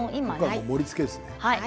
盛りつけですね。